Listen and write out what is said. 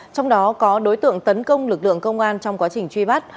trong đó có đối tượng tấn công lực lượng công an trong quá trình truy bắt